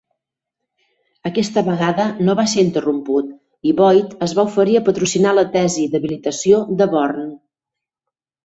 Aquesta vegada no va ser interromput i Voigt es va oferir a patrocinar la tesi d'habilitació de Born.